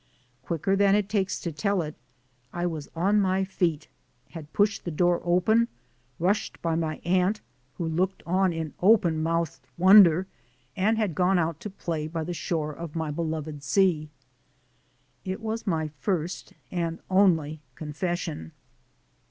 Quicker than it takes to tell it, I was on my feet, had pushed the door open, rushed by my aunt, who looked on in open mouthed wonder, and THE CALL OF THE SEA 45 had gone out to play by the shore of my beloved sea. It was my first and only confession.